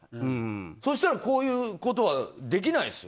そしたらこういうことはできないですよ。